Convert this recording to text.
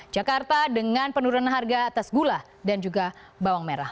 jakarta dengan penurunan harga atas gula dan juga bawang merah